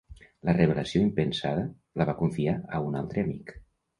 La revelació impensada, la va confiar a un altre amic.